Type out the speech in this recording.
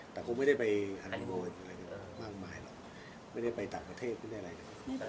แต่ก็ไม่ได้ไปอันตรีโบสถ์หรอกไม่ได้ไปต่างประเทศไม่ได้อะไรนะครับ